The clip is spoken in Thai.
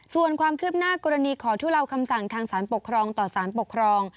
ส่วนความคืบหน้ากรณีขอทุเลาคำสั่งทางสารปกครองต่อสารปกครอง